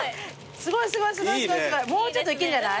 すごいすごいすごいもうちょっといけんじゃない？